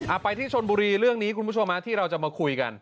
ไปที่ชนบุรีเรื่องนี้คุณผู้ชมฮะที่เราจะมาคุยกัน